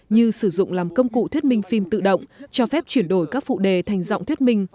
như sử dụng làm công cụ thuyết minh phim tự động cho phép chuyển đổi các phụ đề thành giọng thuyết minh